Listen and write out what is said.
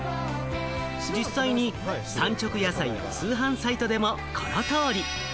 実際に産直野菜の通販サイトでもこの通り。